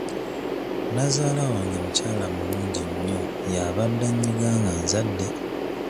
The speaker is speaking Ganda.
Nazaala wange mukyala mulungi nnyo y'abadde annyiga nga nzadde.